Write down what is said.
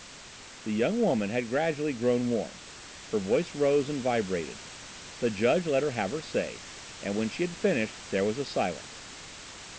The young woman had gradually grown warm, her voice rose and vibrated. The judge let her have her say, and when she had finished there was a silence.